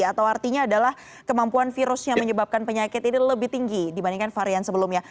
atau artinya adalah kemampuan virus yang menyebabkan penyakit ini lebih tinggi dibandingkan varian sebelumnya